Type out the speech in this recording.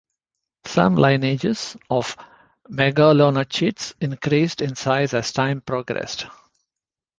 Some lineages of megalonychids increased in size as time progressed.